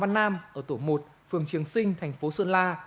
tổ tổ một phường trường sinh thành phố sơn la